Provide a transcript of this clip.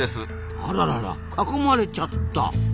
あららら囲まれちゃった。